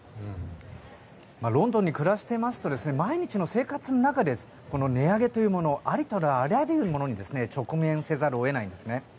ロンドンに暮らしていますと毎日の生活の中で値上げというものありとあらゆるものに直面せざるを得ないんですね。